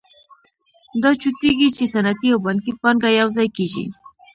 دا جوتېږي چې صنعتي او بانکي پانګه یوځای کېږي